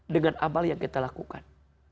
dengan amal yang kita lakukan